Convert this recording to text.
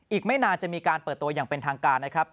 อีกไม่นานจะมีการเปิดตัวอย่างเป็นทางการนะครับ